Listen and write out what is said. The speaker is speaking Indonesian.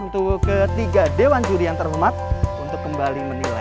untuk ketiga dewan juri yang terhormat untuk kembali menilai